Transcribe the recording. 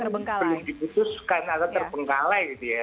belum dibutuhkan atau terbengkalai